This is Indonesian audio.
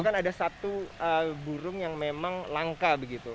kan ada satu burung yang memang langka begitu